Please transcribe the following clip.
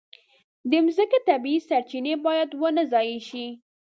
د مځکې طبیعي سرچینې باید ونه ضایع شي.